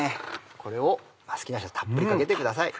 これを好きな人はたっぷりかけてください。